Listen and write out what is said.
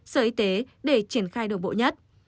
sở y tế để triển khai đồng bộ nhất